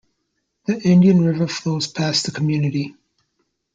The Indian River flows past the community.